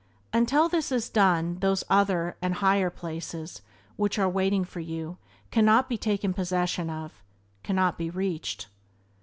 Until this is done those other and higher places which are waiting for you cannot be taken possession of, cannot be reached.